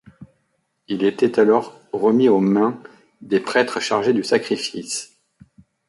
Il était alors remis aux mains des prêtres chargés du sacrifice.